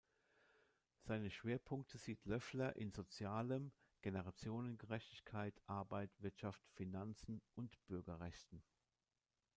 Seine Schwerpunkte sieht Löffler in Sozialem, Generationengerechtigkeit, Arbeit, Wirtschaft, Finanzen und Bürgerrechten.